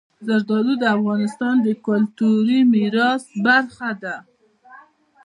زردالو د افغانستان د کلتوري میراث برخه ده.